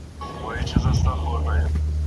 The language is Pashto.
ته د واده په رنګینیو کې له موره ورک یې